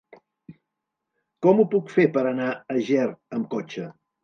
Com ho puc fer per anar a Ger amb cotxe?